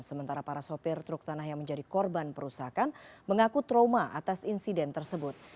sementara para sopir truk tanah yang menjadi korban perusakan mengaku trauma atas insiden tersebut